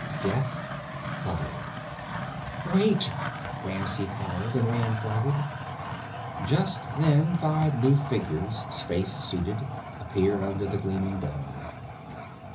Death hovered. "Wait!" Ramsey called, and ran forward. Just then five new figures, space suited, appeared under the gleaming dome.